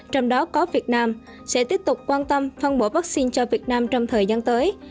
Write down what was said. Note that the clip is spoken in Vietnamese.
trong đó có việt nam sẽ tiếp tục quan tâm phân bổ vaccine cho việt nam trong thời gian tới